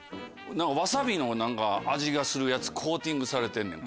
わさびの味がするやつコーティングされてんねん。